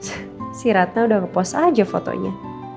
si ratna udah ngepost aja fotonya